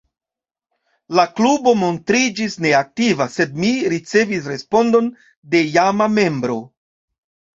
La klubo montriĝis neaktiva, sed mi ricevis respondon de iama membro.